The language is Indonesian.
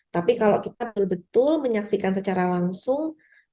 tapi kalau kita betul betul menyaksikan secara langsung